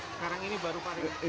sekarang ini baru pari